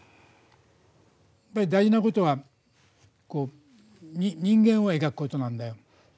やっぱり大事なことは人間を描くことなんだよ。